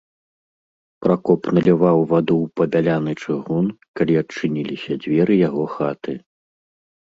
Пракоп наліваў ваду ў пабяляны чыгун, калі адчыніліся дзверы яго хаты.